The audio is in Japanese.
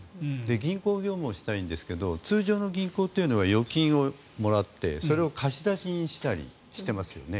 銀行業務をしたいんですが通常の銀行というのは預金をもらって、それを貸し出しにしたりしてますよね。